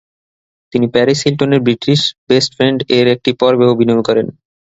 তিনি "প্যারিস হিলটনের British best ফ্রেন্ড"-এর একটি পর্বেও অভিনয় করেন।